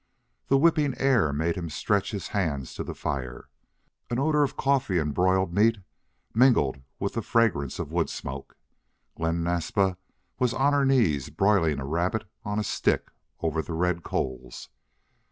The whipping air made him stretch his hands to the fire. An odor of coffee and broiled meat mingled with the fragrance of wood smoke. Glen Naspa was on her knees broiling a rabbit on a stick over the red coals.